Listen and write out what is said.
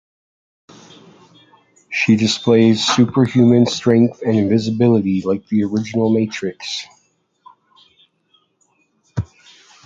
She displays superhuman strength and invisibility, like the original Matrix.